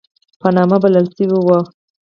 په نامه بلل شوی وو.